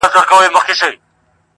غواړم چي ديدن د ښكلو وكړمـــه.